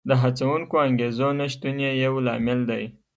د هڅوونکو انګېزو نشتون یې یو لامل دی